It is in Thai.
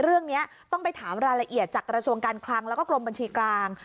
เรื่องนี้ต้องไปถามรายละเอียดจากกระทรวงการคลังแล้วก็กรมบัญชีกลาง